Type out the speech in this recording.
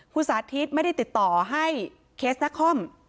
คุณสาธิตไม่ได้ติดต่อให้เคสนักคอม